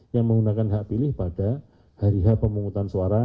yang menggunakan hak pilih pada hari h pemungutan suara